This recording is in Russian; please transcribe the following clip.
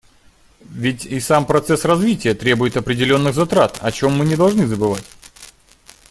Ведь и сам процесс развития требует определенных затрат, о чем мы не должны забывать.